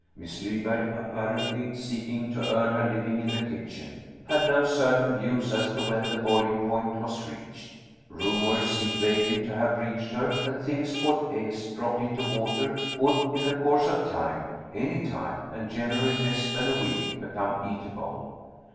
Miss Lyberg, apparently seeking to earn her living in the kitchen, had no certain views as to when the boiling point was reached. Rumors seemed vaguely to have reached her that things called eggs dropped into water would, in the course of time any time, and generally less than a week become eatable.